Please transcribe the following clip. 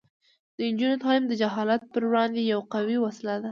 د نجونو تعلیم د جهالت پر وړاندې یوه قوي وسله ده.